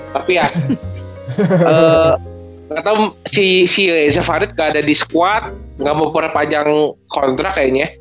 tapi ya si zafarit gak ada di squad gak mau berpanjang kontrak kayaknya